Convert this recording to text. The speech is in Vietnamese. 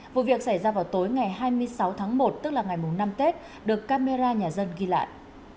vụ việc xảy ra vào tối ngày hai mươi sáu tháng một tức là ngày năm tết được camera nhà dân ghi lại